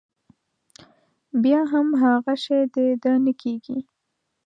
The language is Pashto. بيا هم هغه شی د ده نه کېږي.